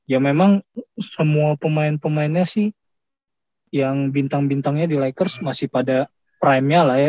ya memang semua pemain pemainnya sih yang bintang bintangnya di lakers masih pada prime nya lah ya